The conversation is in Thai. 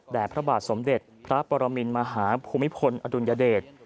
พระบาทสมเด็จพระปรมินมหาภูมิพลอดุลยเดช